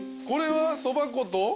これはそば粉と？